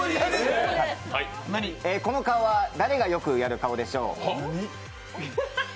この顔は誰が良くやる顔でしょう？